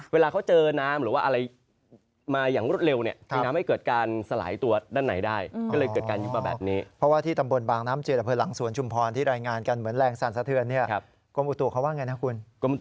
เวลาเขาเจอน้ำหรือว่าอะไรมาอย่างรวดเร็วเนี่ย